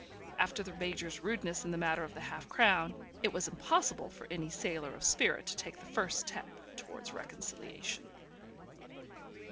After the Major's rudeness in the matter of the half crown, it was impossible for any sailor of spirit to take the first step towards reconciliation.